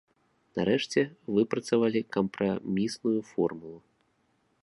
Нарэшце выпрацавалі кампрамісную формулу.